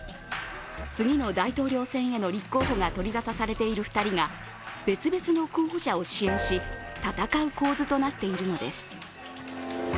次の大統領選への立候補が取り沙汰されている２人が別々の候補者を支援し、戦う構図となっているのです。